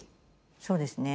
そうですね。